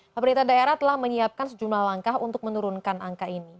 pemerintah daerah telah menyiapkan sejumlah langkah untuk menurunkan angka ini